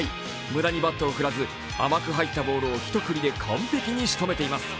無駄にバットを振らず甘く入ったボールを一振りで完璧に仕留めています。